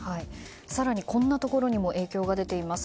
更にこんなところにも影響が出ています。